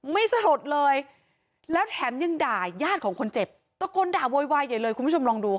สลดเลยแล้วแถมยังด่ายาดของคนเจ็บตะโกนด่าโวยวายใหญ่เลยคุณผู้ชมลองดูค่ะ